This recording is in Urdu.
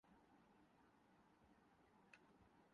نہ ہی پوچھا